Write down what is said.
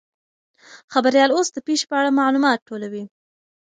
خبریال اوس د پیښې په اړه معلومات ټولوي.